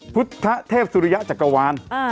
พุทธเทพสุริยะจักรวาล